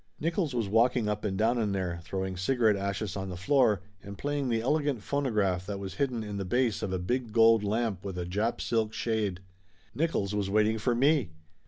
Nickolls was walking up and down in there throwing cigarette ashes on the floor and playing the elegant phonograph that was hidden in the base of a big gold lamp with a Jap silk shade. Nickolls was waiting for me!